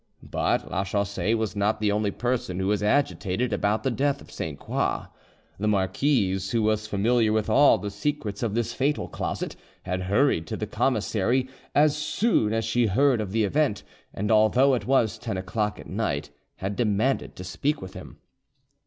But Lachaussee was not the only person who was agitated about the death of Sainte Croix. The, marquise, who was familiar with all the secrets of this fatal closet, had hurried to the commissary as 2496 soon as she heard of the event, and although it was ten o'clock at night had demanded to speak with him.